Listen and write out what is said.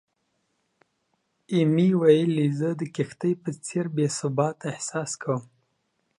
ایمي ویلي، "زه د کښتۍ په څېر بې ثباته احساس کوم."